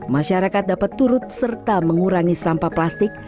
masyarakat dapat turut serta mengurangi sampah plastik